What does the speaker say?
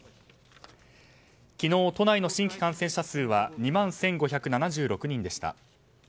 昨日都内の新規感染者数は２万１５７６人でした。